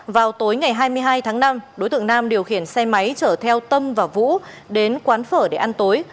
vào tối ngày hai mươi hai tháng năm đối tượng nam điều khiển xe máy chở theo tâm và vũ đến quán phở để ăn tối